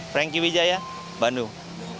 franky widjaya bandung